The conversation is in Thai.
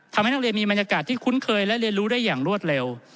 ทำให้นักเรียนมีบรรยากาศที่คุ้นเคยและเรียนรู้ได้อย่างรวดเร็ว